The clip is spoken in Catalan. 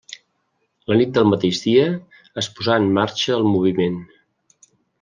La nit del mateix dia, es posà en marxa el moviment.